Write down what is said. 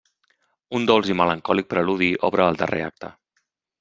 Un dolç i melancòlic preludi obre el darrer acte.